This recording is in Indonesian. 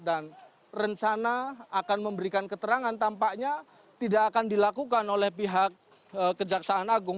dan rencana akan memberikan keterangan tampaknya tidak akan dilakukan oleh pihak kejaksaan agung